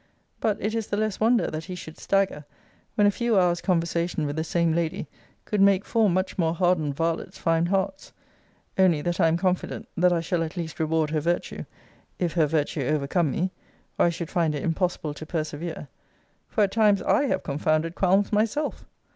But it is the less wonder, that he should stagger, when a few hours' conversation with the same lady could make four much more hardened varlets find hearts only, that I am confident, that I shall at least reward her virtue, if her virtue overcome me, or I should find it impossible to persevere for at times I have confounded qualms myself.